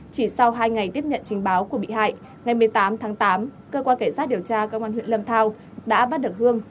chỉ sau hai ngày tiếp nhận trình báo của bị hại ngày một mươi tám tháng tám cơ quan cảnh sát điều tra công an huyện lâm thao đã bắt được hương